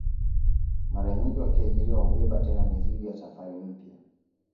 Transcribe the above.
Mara nyingi wakiajiriwa hubeba tena mizigo ya safari mpya